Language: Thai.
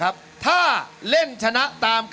โอบอตตอมหาสนุก